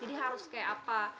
jadi harus kayak apa